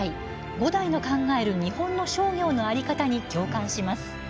五代の考える日本の商業の在り方に共感します。